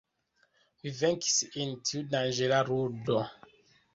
Vi venkis en tiu danĝera ludo.